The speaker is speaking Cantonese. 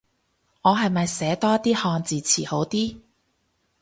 我係咪寫多啲漢字詞好啲